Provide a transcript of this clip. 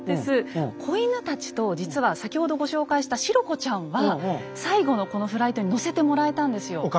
子犬たちと実は先ほどご紹介したシロ子ちゃんは最後のこのフライトに乗せてもらえたんですよ。